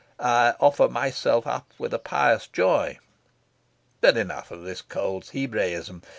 I offer myself up with a pious joy. But enough of this cold Hebraism!